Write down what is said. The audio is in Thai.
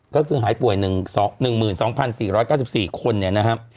ก็คือหายป่วย๑หมื่น๒๔๙๔คนเนี่ยนะฮะ